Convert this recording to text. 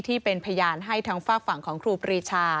ที่เป็นพยานให้ทางฝากฝั่งของครูปรีชา